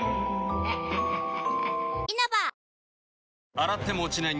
洗っても落ちない